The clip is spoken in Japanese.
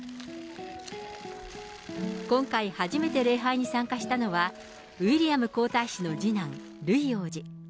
今回、初めて礼拝に参加したのは、ウィリアム皇太子の次男、ルイ王子。